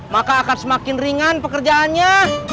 maka akan semakin ringan pekerjaannya